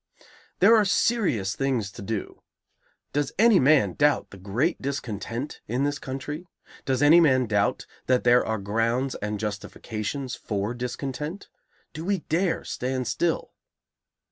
There are serious things to do. Does any man doubt the great discontent in this country? Does any man doubt that there are grounds and justifications for discontent? Do we dare stand still?